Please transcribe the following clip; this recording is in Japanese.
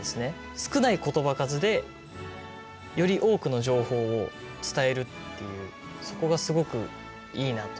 少ない言葉数でより多くの情報を伝えるっていうそこがすごくいいなと。